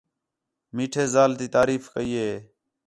میٹھے ذال تی تعریف کَئی ہِے